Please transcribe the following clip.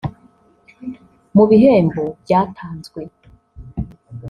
Mu bihembo byatanzwe